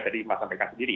tadi pak sampaikan sendiri